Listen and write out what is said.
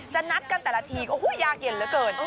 จะนัดกันแต่ละทีก็หู้ยยากเหยียนเลยเกิน